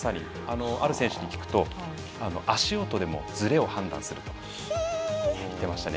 ある選手に聞くと足音でもずれを判断すると言ってましたね。